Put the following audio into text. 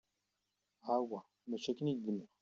Awah mačči akken i k-d-nniɣ!